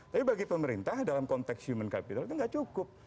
tapi bagi pemerintah dalam konteks human capital itu nggak cukup